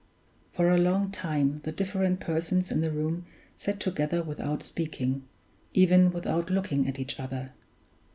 For a long time the different persons in the room sat together without speaking, even without looking at each other.